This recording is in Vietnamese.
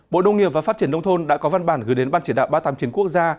bộ nông nghiệp và phát triển nông thôn đã có văn bản gửi đến ban chỉ đạo ba mươi tám chiến quốc gia